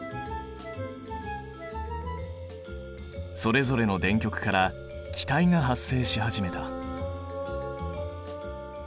それぞれの電極から気体が発生し始めた。